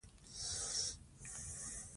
ناپاکه اوبه ناروغي خپروي.